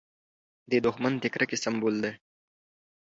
دښمن د کرکې سمبول دی